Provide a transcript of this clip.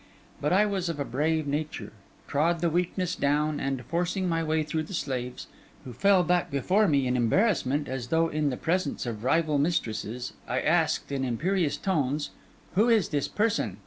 But I was of a brave nature; trod the weakness down; and forcing my way through the slaves, who fell back before me in embarrassment, as though in the presence of rival mistresses, I asked, in imperious tones: 'Who is this person?